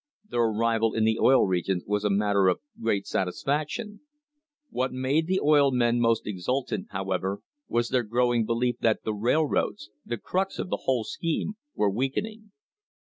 Their arrival in the Oil Regions was a matter of great satisfaction. What made the oil men most exultant, however, was their growing belief that the railroads — the crux of the whole scheme — were weakening.